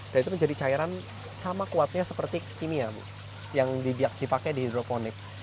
dan itu menjadi cairan sama kuatnya seperti kimia yang dipakai di hidroponik